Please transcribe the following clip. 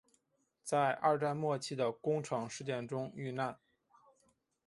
在二战末期的宫城事件中遇难。